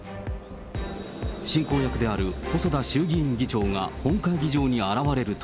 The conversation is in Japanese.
進行役である細田衆議院議長が本会議場に現れると。